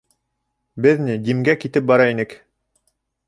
— Беҙ ни, Димгә китеп бара инек...